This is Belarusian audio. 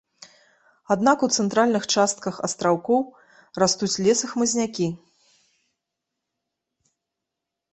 Аднак у цэнтральных частках астраўкоў растуць лес і хмызнякі.